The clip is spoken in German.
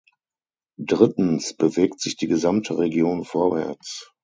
Drittens bewegt sich die gesamte Region vorwärts.